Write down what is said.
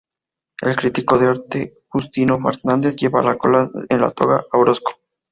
El crítico de arte Justino Fernández lleva la cola de la toga a Orozco.